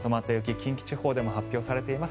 近畿地方でも発表されています。